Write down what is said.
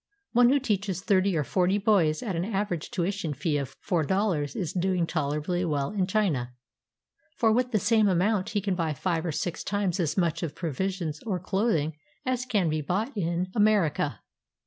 One who teaches thirty or forty boys at an average tuition fee of four dollars is doing tolerably well in China; for with the same amount he can buy five or six times as much of provisions or clothing as can be bought in America.